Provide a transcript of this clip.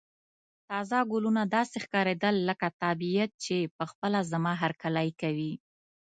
تازه ګلونه داسې ښکاریدل لکه طبیعت چې په خپله زما هرکلی کوي.